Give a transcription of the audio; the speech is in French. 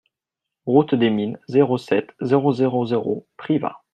Route des Mines, zéro sept, zéro zéro zéro Privas